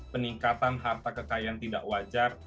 peningkatan harta kekayaan tidak wajar